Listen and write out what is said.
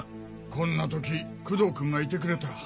こんな時工藤君がいてくれたら。